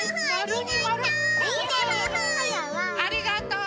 ありがとう。